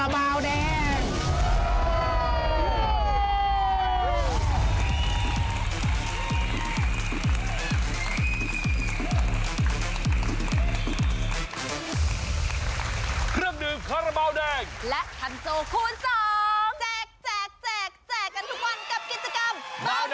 โอ้โฮเพียงคาราเบาแดงคงมอบถูก